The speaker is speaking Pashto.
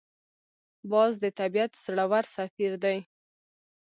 باز د طبیعت زړور سفیر دی